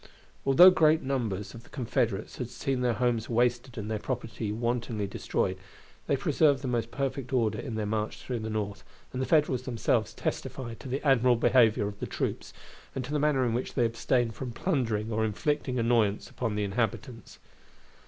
Although great numbers of the Confederates had seen their homes wasted and their property wantonly destroyed, they preserved the most perfect order in their march through the North, and the Federals themselves testify to the admirable behavior of the troops, and to the manner in which they abstained from plundering or inflicting annoyance upon the inhabitants.